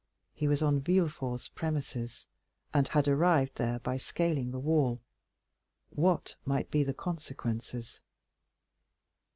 He was on Villefort's premises—had arrived there by scaling the wall. What might be the consequences?